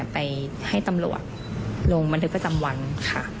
ไปให้ตำรวจลงบันทึกประจำวันค่ะ